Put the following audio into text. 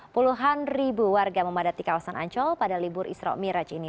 puluhan ribu warga memadati kawasan ancol pada libur israq miraj ini